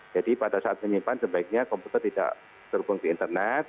jadi pada saat menyimpan sebaiknya komputer tidak terhubung ke internet